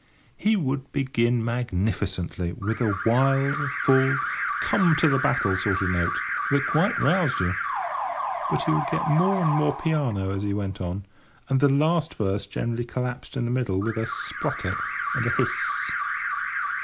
He would begin magnificently with a wild, full, come to the battle sort of a note, that quite roused you. But he would get more and more piano as he went on, and the last verse generally collapsed in the middle with a splutter and a hiss.